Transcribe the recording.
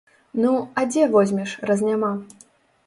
Ну, а дзе возьмеш, раз няма.